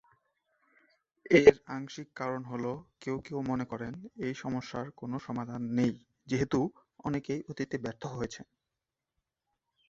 এর আংশিক কারণ হল কেউ কেউ মনে করেন এই সমস্যার কোন সমাধান নেই, যেহেতু অনেকেই অতীতে ব্যর্থ হয়েছেন।